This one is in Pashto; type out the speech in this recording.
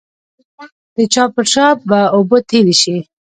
د چا پر شا به اوبه تېرې شي.